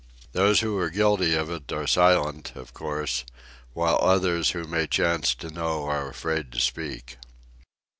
Those who are guilty of it are silent, of course; while others who may chance to know are afraid to speak.